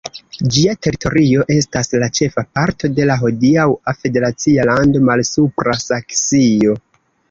Ĝia teritorio estas la ĉefa parto de la hodiaŭa federacia lando Malsupra Saksio.